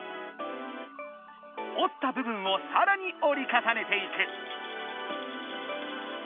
おった部分をさらにおり重ねていく。